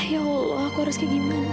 ya allah aku harus kemana